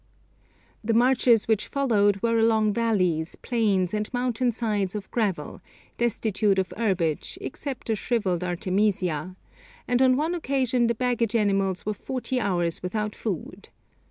The marches which followed were along valleys, plains, and mountain sides of gravel, destitute of herbage, except a shrivelled artemisia, and on one occasion the baggage animals were forty hours without food.